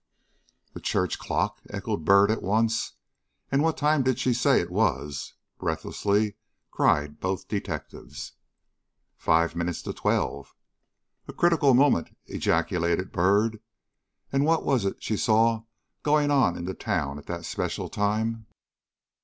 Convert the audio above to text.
"The church clock!" echoed Byrd once more. "And what time did she say it was?" breathlessly cried both detectives. "Five minutes to twelve." "A critical moment," ejaculated Byrd. "And what was it she saw going on in the town at that especial time?"